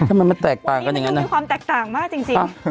ทำไมมันแตกต่างกันอย่างนั้นเป็นความแตกต่างมากจริง